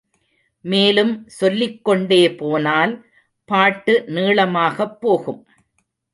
மேலும் சொல்லிக்கொண்டே போனால் பாட்டு நீளமாகப் போகும்.